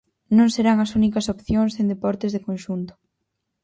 Non serán as únicas opcións en deportes de conxunto.